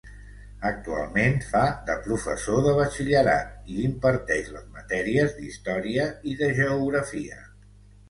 Actualment fa de professor de Batxillerat i imparteix les matèries d'Història i de Geografia.